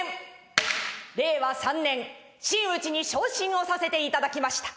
令和３年真打に昇進をさせていただきました。